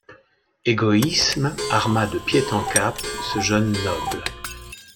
Égoïsme arma de pied en cap ce jeune noble.